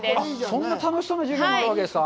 そんな楽しそうな授業もあるわけですか。